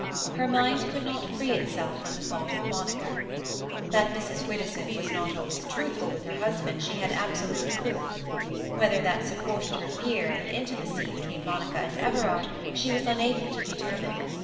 Her mind could not free itself from the thought of Monica. That Mrs. Widdowson was not always truthful with her husband she had absolute proof; whether that supported her fear of an intimacy between Monica and Everard she was unable to determine.